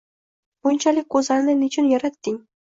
Bunchalik go’zalni nechun yaratding?!